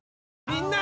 みんな！